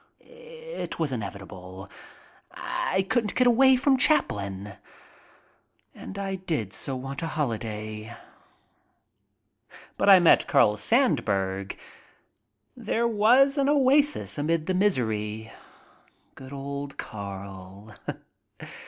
It was inevitable. I couldn't get away from Chaplin. And I did so want a holiday. But I met Carl Sandburg. There was an oasis amid the misery. Good old Carl!